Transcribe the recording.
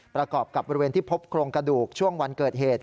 ประกอบกับบริเวณที่พบโครงกระดูกช่วงวันเกิดเหตุ